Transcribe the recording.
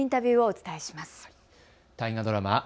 小栗旬さんのインタビューをお伝えします。